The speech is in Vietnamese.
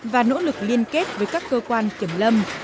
và nỗ lực liên kết với các cơ quan kiểm lâm